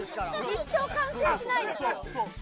一生完成しないですよ。